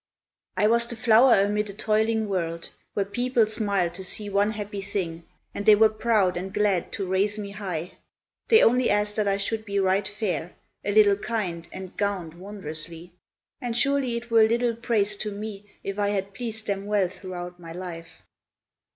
I was the flower amid a toiling world, Where people smiled to see one happy thing, And they were proud and glad to raise me high; They only asked that I should be right fair, A little kind, and gowned wondrously, And surely it were little praise to me If I had pleased them well throughout my life.